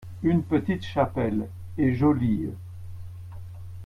une petite chapelle, et jolie.